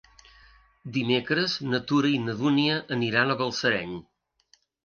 Dimecres na Tura i na Dúnia aniran a Balsareny.